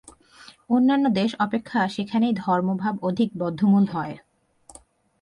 অন্যান্য দেশ অপেক্ষা সেখানেই ধর্মভাব অধিক বদ্ধমূল হয়।